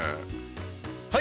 はい！